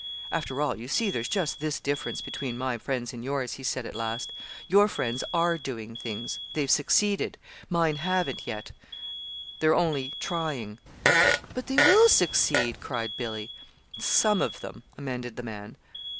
"After all, you see there's just this difference between my friends and yours," he said, at last. "Your friends are doing things. They've succeeded. Mine haven't, yet they're only trying." "But they will succeed," cried Billy. "Some of them," amended the man.